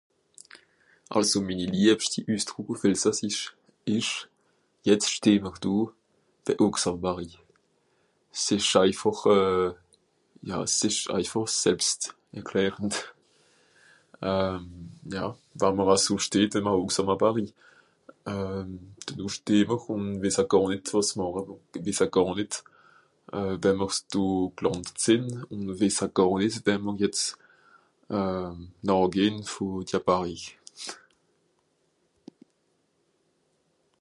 Àlso minni liebschti Üssdrùck ùff elsassisch ìsch : jetz steh mr do, wie Ochs àm Barri. S'ìsch eifàch... ja s'ìsch eifàch selbst erklärend. ja, we'mr aso steht wie a Ochs àm a Barri dennoh steh mr ùn wìssa gàr nìt wàs màcha w... wìssa gàr nìt we'mr 's do (...) sìnn ùn wìssa gàr nìt wie mr jetz nà gehn vù dia Barri.